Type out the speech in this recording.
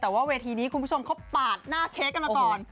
แต่ว่าเวทีนี้คุณผู้ชมเขาปาดหน้าเค้กกันมาก่อน